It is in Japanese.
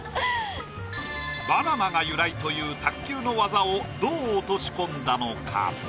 バナナが由来という卓球の技をどう落とし込んだのか？